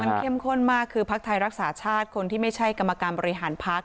มันเข้มข้นมากคือพักไทยรักษาชาติคนที่ไม่ใช่กรรมการบริหารพัก